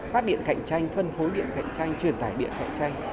phát điện cạnh tranh phân phối điện cạnh tranh truyền tải điện cạnh tranh